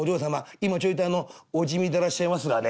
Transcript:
今ちょいとお地味でらっしゃいますがね